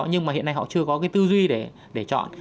nhưng mà hiện nay họ chưa có cái tư duy để chọn